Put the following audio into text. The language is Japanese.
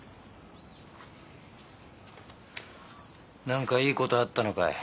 何かいい事あったのかい？